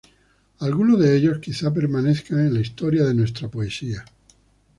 Algunos de ellos quizá permanezcan en la historia de nuestra poesía.